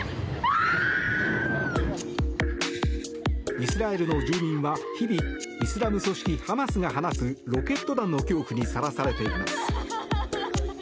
イスラエルの住民は、日々イスラム組織ハマスが放つロケット弾の恐怖にさらされています。